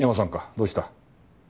どうした？